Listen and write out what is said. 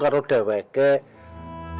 kalau di awal